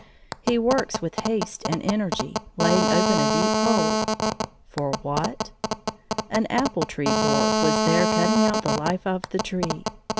He works with haste and energy, laying open a deep hole. For what? An apple tree borer was there cutting out the life of the tree.